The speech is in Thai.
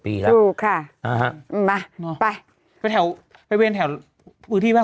ปีครับถูกค่ะอ่าฮะอืมมาไปไปแถวบริเวณแถวพื้นที่บ้าน